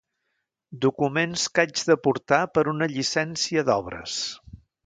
Documents que haig de portar per una llicència d'obres.